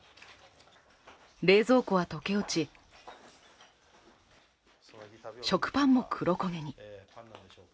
冷蔵庫は溶け落ち、食パンも黒焦げに。